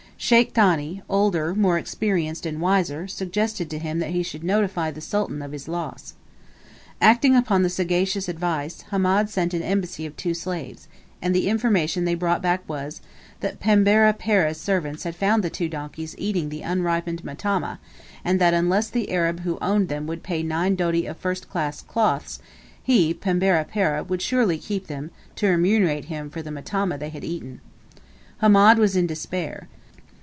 Sheikh Thani, older, more experienced, and wiser, suggested to him that he should notify the Sultan of his loss. Acting upon the sagacious advice, Hamed sent an embassy of two slaves, and the information they brought back was, that Pembera Pereh's servants had found the two donkeys eating the unripened matama, and that unless the Arab who owned them would pay nine doti of first class cloths, he, Pembera Pereh, would surely keep them to remunerate him for the matama they had eaten. Hamed was in despair.